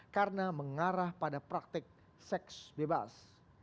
karena mengarah pada praktik seks bebas